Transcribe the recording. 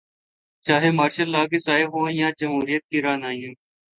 چاہے martial law کے سائے ہوں یا جمہوریت کی رعنائیاں۔